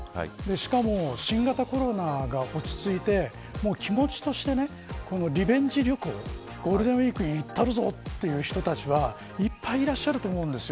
しかも新型コロナが落ち着いて気持ちとして、リベンジ旅行ゴールデンウイーク行くぞという人たちはいっぱいいらっしゃると思います。